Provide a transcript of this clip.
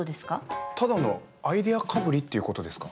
ただのアイデアかぶりっていうことですか？